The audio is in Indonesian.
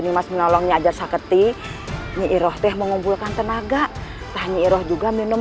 nimas menolongnya ajarsaketi nyi roh teh mengumpulkan tenaga tanya roh juga minum